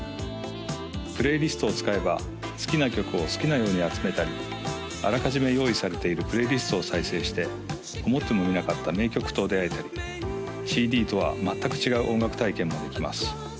プレイリストを使えば好きな曲を好きなように集めたりあらかじめ用意されているプレイリストを再生して思ってもみなかった名曲と出会えたりＣＤとは全く違う音楽体験もできます